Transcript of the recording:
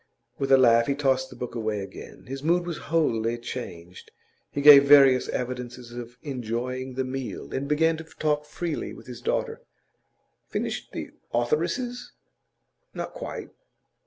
With a laugh he tossed the book away again. His mood was wholly changed. He gave various evidences of enjoying the meal, and began to talk freely with his daughter. 'Finished the authoresses?' 'Not quite.